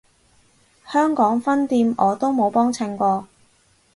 香港分店我都冇幫襯過